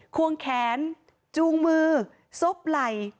ควงแขนจูงมือซบไหล่